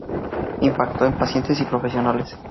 Impacto en pacientes y profesionales".